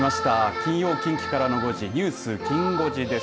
金曜近畿からの５時ニュースきん５時です。